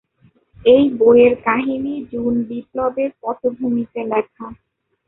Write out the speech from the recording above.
এই বইয়ের কাহিনী জুন বিপ্লবের পটভূমিতে লেখা।